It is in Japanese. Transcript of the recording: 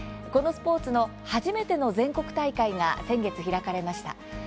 このスポーツの初めての全国大会が先月、開かれました。